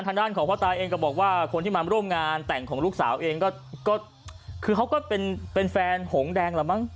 ทางด้านของพ่อตาเองก็บอกว่าคนที่มาร่วมงานแต่งของลูกสาวเองก็คือเขาก็เป็นแฟนหงแดงละมั้ง